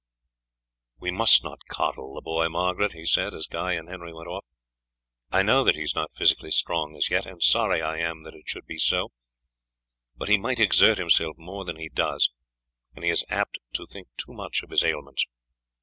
"We must not coddle the boy, Margaret," he said as Guy and Henry went off. "I know that he is not physically strong as yet, and sorry I am that it should be so, but he might exert himself more than he does, and he is apt to think too much of his ailments.